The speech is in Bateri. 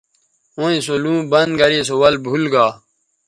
ھویں سو لُوں بند گرے سو ول بُھول گا